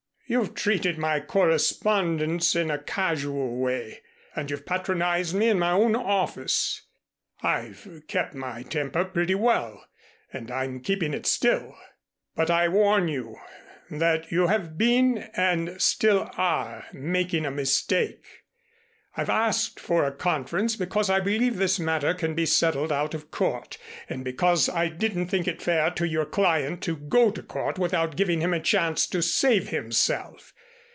You've treated my correspondence in a casual way and you've patronized me in my own office. I've kept my temper pretty well, and I'm keeping it still; but I warn you that you have been and still are making a mistake. I've asked for a conference because I believe this matter can be settled out of court, and because I didn't think it fair to your client to go to court without giving him a chance to save himself.